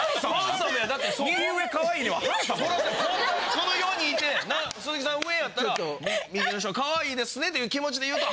この４人いて鈴木さん上やったら「右上の人可愛いですね」っていう気持ちでいうと。